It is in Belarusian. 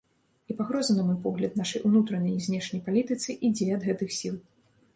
І пагроза, на мой погляд, нашай унутранай і знешняй палітыцы ідзе ад гэтых сіл.